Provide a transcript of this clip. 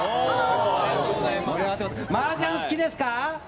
マージャン好きですか？